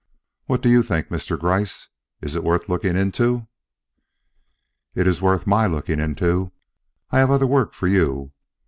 What do you think, Mr. Gryce? Is it worth looking into?" "It is worth my looking into. I have other work for you.